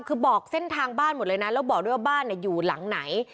คือบอกเส้นทางบ้านหมดเลยนะแล้วบอกด้วยว่าบ้านอยู่หลังไหน